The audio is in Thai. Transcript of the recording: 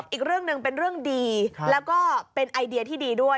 อีกเรื่องหนึ่งเป็นเรื่องดีแล้วก็เป็นไอเดียที่ดีด้วย